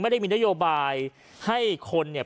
ได้มีนโยบายให้คนเนี่ย